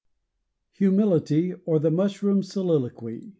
=Humility; or, The Mushroom's Soliloquy.